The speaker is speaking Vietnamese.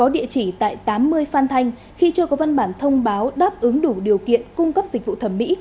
địa chỉ tại tám mươi phan thanh khi chưa có văn bản thông báo đáp ứng đủ điều kiện cung cấp dịch vụ thẩm mỹ